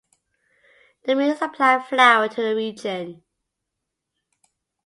The mill supplied flour to the region.